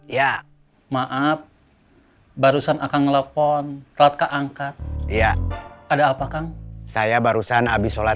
ya maaf barusan akan ngelepon telat ke angkat ya ada apa kang saya barusan habis sholat